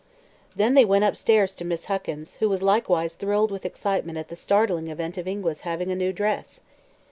Then they went upstairs to Miss Huckins, who was likewise thrilled with excitement at the startling event of Ingua's having a new dress.